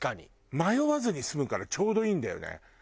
迷わずに済むからちょうどいいんだよね。